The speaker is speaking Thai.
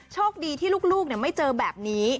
โชคดีที่ลูกไม่เจอแบบนี้